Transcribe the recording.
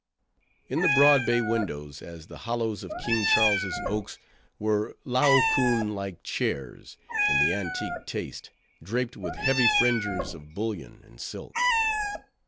In the broad bay windows, as the hollows of King Charles' oaks, were Laocoon like chairs, in the antique taste, draped with heavy fringes of bullion and silk.